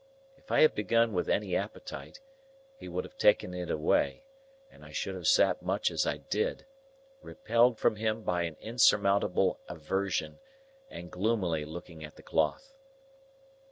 If I had begun with any appetite, he would have taken it away, and I should have sat much as I did,—repelled from him by an insurmountable aversion, and gloomily looking at the cloth.